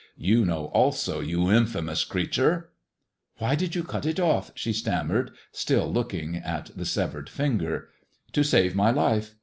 You know also, you infamous creature !"" Why did you cut it off ?" she stammered, still looking at the severed finger. " To save my life.